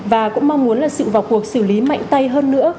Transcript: và cũng mong muốn là sự vào cuộc xử lý mạnh tay hơn nữa